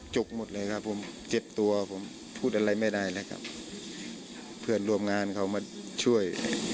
กหมดเลยครับผมเจ็บตัวผมพูดอะไรไม่ได้แล้วครับเพื่อนร่วมงานเขามาช่วย